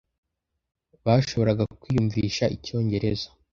Bashoboraga kwiyumvisha icyongereza.